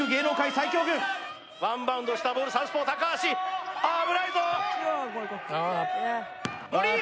最強軍ワンバウンドしたボールサウスポー高橋危ないぞ森！